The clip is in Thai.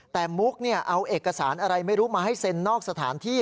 แต่มุกเอาเอกสารอะไรไม่รู้มาให้เซ็นนอกสถานที่